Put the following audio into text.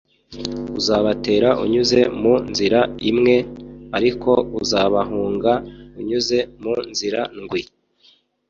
uzabatera unyuze mu nzira imwe, ariko uzabahunga unyuze mu nzira ndwi